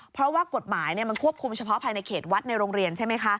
เพราะว่ากฎหมายมันควบคุมเฉพาะภายในเขตวัดในโรงเรียนใช่ไหมคะ